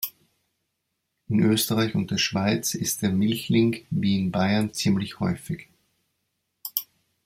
In Österreich und der Schweiz ist der Milchling wie in Bayern ziemlich häufig.